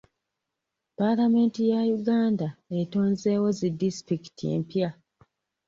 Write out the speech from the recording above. Palamenti ya Uganda etonzeewo zi disitulikiti empya.